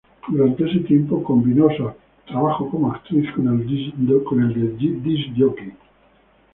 Durante ese tiempo combinó su trabajo como actriz con el de disc jockey.